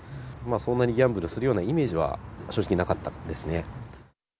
そんなにギャンブルするようなイメージは、正直なかったですね。